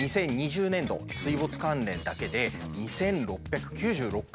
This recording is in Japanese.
２０２０年度水没関連だけで２，６９６回出動しています。